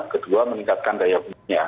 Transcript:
kedua meningkatkan daya belinya